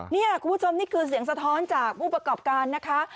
นี่คุณผู้ชมนี่คือเสียงสะท้อนจากผู้ประกอบการนะคะ